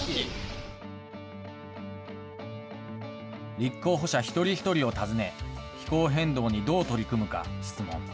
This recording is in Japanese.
立候補者一人一人を訪ね、気候変動にどう取り組むか質問。